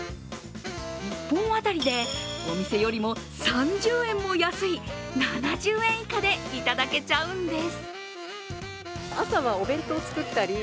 １本当たりでお店よりも３０円も安い７０円以下でいただけちゃうんです。